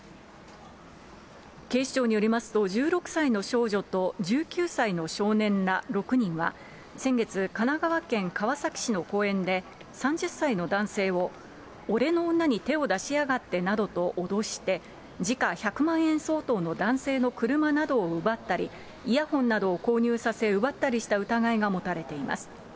警視庁によりますと、１６歳の少女と、１９歳の少年ら６人は、先月、神奈川県川崎市の公園で、３０歳の男性を、俺の女に手を出しやがってなどと脅して、時価１００万円相当の男性の車などを奪ったり、イヤホンなどを購入させ、奪ったりした疑いが持たれています。